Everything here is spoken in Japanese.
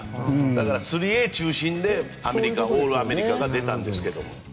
だから３Ａ中心でオールアメリカが出たんですが。